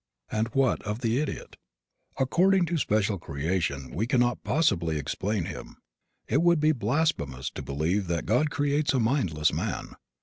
And what of the idiot? According to special creation we cannot possibly explain him. It would be blasphemous to believe that God creates a mindless man.